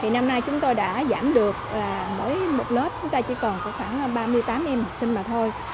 năm nay chúng tôi đã giảm được mỗi một lớp chúng ta chỉ còn có khoảng ba mươi tám em học sinh mà thôi